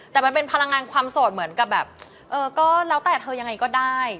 แต่มันเป็นพลังงานความโสดเหมือนกับแบบเออก็แล้วแต่เธอยังไงก็ได้